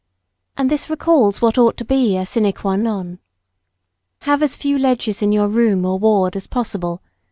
And this recalls what ought to be a sine qua non. Have as few ledges in your room or ward as possible.